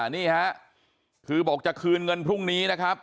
นี่ฮะคือบอกจะคืนเงินพรุ่งนี้นะครับ